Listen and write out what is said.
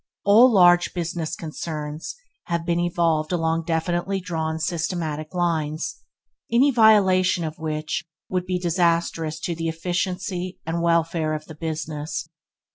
All large business concerns have been evolved along definitely drawn systematic lines, any violation of which would be disastrous to the efficiency and welfare of the business.